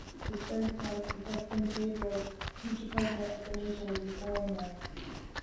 His third son, Agustín Pedro, the future President of the Nation, would be born there.